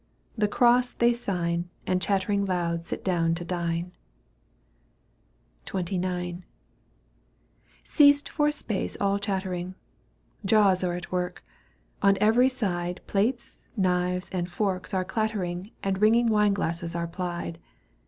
The cross they sign And chattering loud sit down to dine. XXIX. Ceased for a space all chattering. Jaws are at work. On every side Plates, knives and forks are clattering And ringing wine glasses are plied.